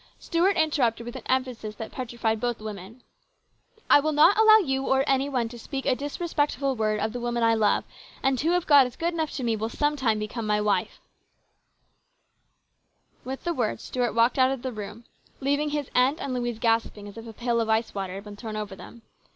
Stuart interrupted with an emphasis that petrified both the women :" I will not allow you or any one to speak a disrespectful word of the woman I love, and who, if God is good enough to me, will sometime become my wife 1 " 186 HIS BROTHER'S KEEPER. With the words Stuart walked out of the room, leaving his aunt and Louise gasping as if a pail of ice water had been thrown over them.